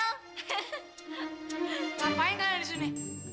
ngapain kalian di sini